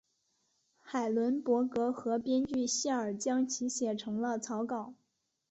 海伦伯格和编剧希尔将其写成了草稿。